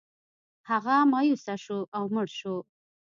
هغه مایوسه شو او مړ شو.